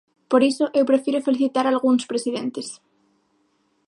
Por iso eu prefiro felicitar algúns presidentes.